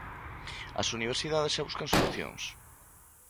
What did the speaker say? As universidades xa buscan solucións.